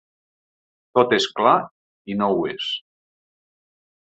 Tot és clar i no ho és.